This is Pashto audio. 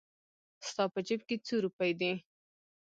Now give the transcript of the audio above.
ستا په جېب کې څو روپۍ دي؟